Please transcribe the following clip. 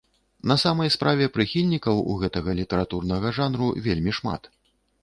На самай справе прыхільнікаў у гэтага літаратурнага жанру вельмі шмат.